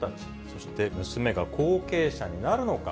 そして、娘が後継者になるのか。